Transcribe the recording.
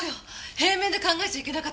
平面で考えちゃいけなかったんだわ。